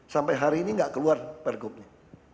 sampai hari ini nggak keluar pergubnya